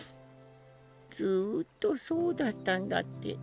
ずっとそうだったんだって。